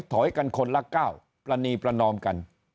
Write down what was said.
ถอยกันคนละก้าวประณีประนอมกัน